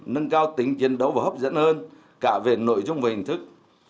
nâng cao tính chiến đấu và hấp dẫn hơn cả về nội dung và hình thức